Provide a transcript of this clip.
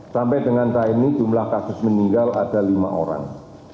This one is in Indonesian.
sampai dengan saat ini jumlah kasus meninggal ada lima orang